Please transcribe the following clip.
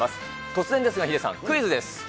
突然ですがヒデさん、クイズです。